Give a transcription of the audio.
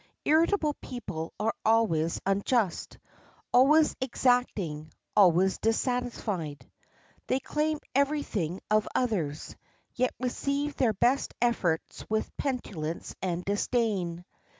Irritable people are always unjust, always exacting, always dissatisfied. They claim every thing of others, yet receive their best efforts with petulance and disdain.